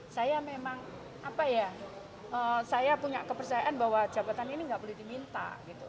saya memang apa ya saya punya kepercayaan bahwa jabatan ini tidak boleh diminta